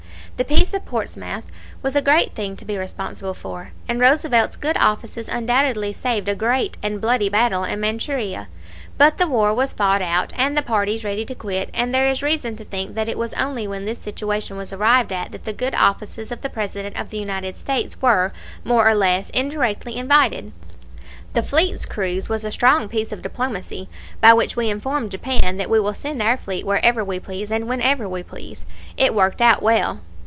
The Peace of Portsmouth was a great thing to be responsible for, and Roosevelt's good offices undoubtedly saved a great and bloody battle in Manchuria. But the war was fought out, and the parties ready to quit, and there is reason to think that it was only when this situation was arrived at that the good offices of the President of the United States were, more or less indirectly, invited. The fleet's cruise was a strong piece of diplomacy, by which we informed Japan that we will send our fleet wherever we please and whenever we please. It worked out well.